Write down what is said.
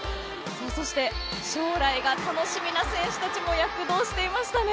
そして将来が楽しみな選手たちも躍動していましたね。